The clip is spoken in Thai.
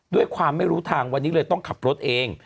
ด้วยความไม่รู้ทางวันนี้เลยต้องขับรถเอง